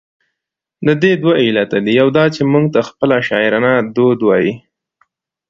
د دې دوه علته دي، يو دا چې، موږ ته خپله شاعرانه دود وايي،